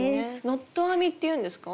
ノット編みっていうんですか？